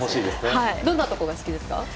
どんなところが好きですか。